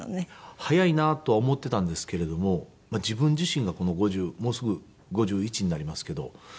早いなとは思っていたんですけれどもまあ自分自身がこの５０もうすぐ５１になりますけど。